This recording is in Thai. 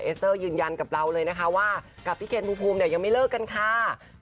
สเตอร์ยืนยันกับเราเลยนะคะว่ากับพี่เคนภูมิเนี่ยยังไม่เลิกกันค่ะ